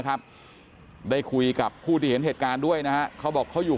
ครับได้คุยกับผู้ที่เห็นเหตุการณ์ด้วยนะฮะเขาบอกเขาอยู่